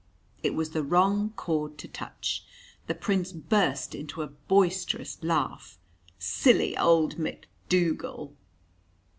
It was the wrong chord to touch. The Prince burst into a boisterous laugh. "Silly old MacDougall!"